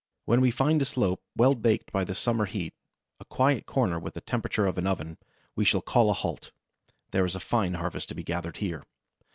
When we find a slope well baked by the summer heat, a quiet corner with the temperature of an oven, we shall call a halt; there is a fine harvest to be gathered here.